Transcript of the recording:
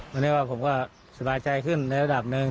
วันนี้ว่าผมก็สบายใจขึ้นในระดับหนึ่ง